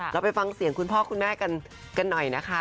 เราไปฟังเสียงคุณพ่อคุณแม่กันหน่อยนะคะ